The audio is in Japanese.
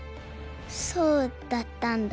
そうだったんだ。